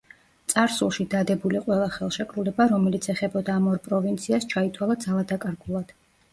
წარსულში დადებული ყველა ხელშეკრულება, რომელიც ეხებოდა ამ ორ პროვინციას ჩაითვალა ძალადაკარგულად.